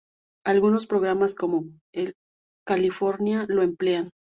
Algunos programas, como "California" lo emplean.